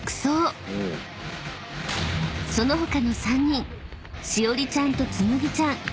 ［その他の３人しおりちゃんとつむぎちゃん